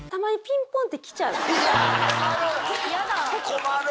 困る。